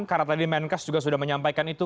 karena tadi menkes juga sudah menyampaikan itu